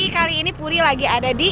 kali ini puri lagi ada di